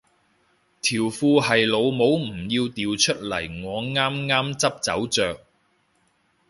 條褲係老母唔要掉出嚟我啱啱執走着